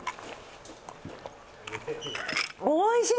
おいしい！